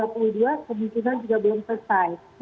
kemungkinan juga belum selesai